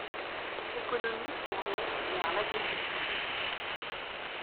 Économie tournée vers l'agriculture.